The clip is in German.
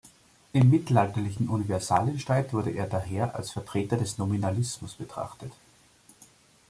Im mittelalterlichen Universalienstreit wurde er daher als Vertreter des Nominalismus betrachtet.